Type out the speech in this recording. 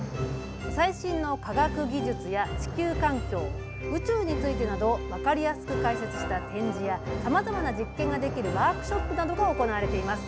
最新の科学技術や地球環境、宇宙についてなど、分かりやすく解説した展示や、さまざまな実験ができるワークショップなどが行われています。